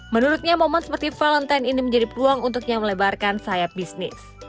menurutnya momen seperti valentine ini menjadi peluang untuknya melebarkan sayap bisnis